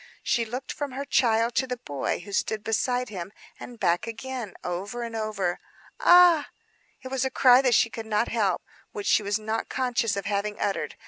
She looked from her child to the boy who stood beside him, and back again; over and over. "Ah!" It was a cry that she could not help; which she was not conscious of having uttered.